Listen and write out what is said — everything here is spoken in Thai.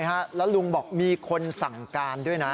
แล้วลุงบอกมีคนสั่งการด้วยนะ